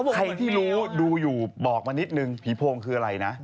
ใครที่รู้ดูอยู่บอกมานิดนึงผีโพงคืออะไรนะ